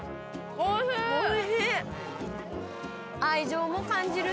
おいしい！